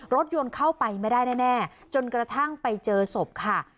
รถยนต์เข้าไปไม่ได้แน่จนกระทั่งไปเจอศพค่ะ